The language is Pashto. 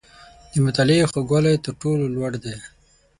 • د مطالعې خوږوالی، تر ټولو لوړ دی.